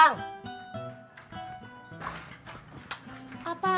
aku tuh melakukannya